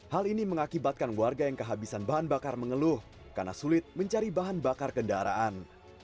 hal ini mengakibatkan warga yang kehabisan bahan bakar mengeluh karena sulit mencari bahan bakar kendaraan